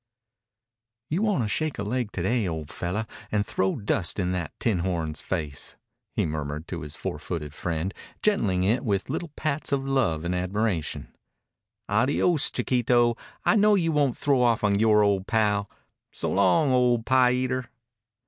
"You wanta shake a leg to day, old fellow, and throw dust in that tinhorn's face," he murmured to his four footed friend, gentling it with little pats of love and admiration. "Adios, Chiquito. I know you won't throw off on yore old pal. So long, old pie eater."